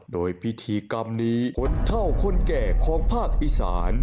โดยพิธีกรรมนี้คนเท่าคนแก่ของภาคอีสาน